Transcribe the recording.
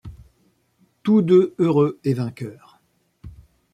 Tous deux heureux et vainqueurs.